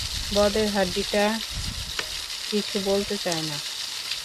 বদের হাড্ডিটা কিচ্ছু বলতে চায় না।